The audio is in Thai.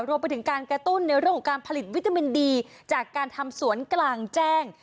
รวมไปถึงการกระตุ้นในเรื่องของการผลิตวิตามินดีจากการทำสวนกลางแจ้ง